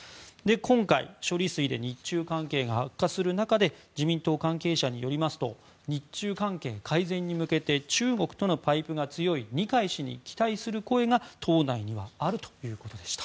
今回、処理水で日中関係が悪化する中で自民党関係者によりますと日中関係改善に向けて中国とのパイプが強い二階氏に期待する声が党内にはあるということでした。